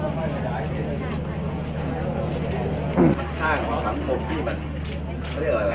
เมืองอัศวินธรรมดาคือสถานที่สุดท้ายของเมืองอัศวินธรรมดา